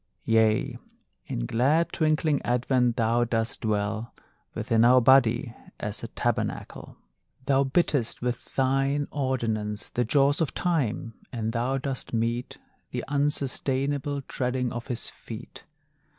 Yea, in glad twinkling advent, thou dost dwell Within our body as a tabernacle! Thou bittest with thine ordinance The jaws of Time, and thou dost mete The unsustainable treading of his feet.